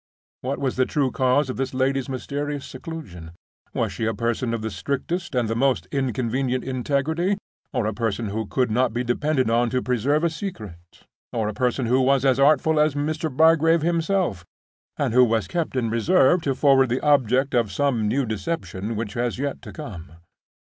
What was the true cause of this lady's mysterious seclusion? Was she a person of the strictest and the most inconvenient integrity? or a person who could not be depended on to preserve a secret? or a person who was as artful as Mr. Bygrave himself, and who was kept in reserve to forward the object of some new deception which was yet to come?